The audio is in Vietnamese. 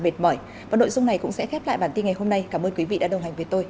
mệt mỏi và nội dung này cũng sẽ khép lại bản tin ngày hôm nay cảm ơn quý vị đã đồng hành với tôi